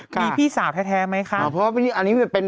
ค่ะมีพี่สาวแท้แท้ไหมค่ะเพราะว่าอันนี้เป็น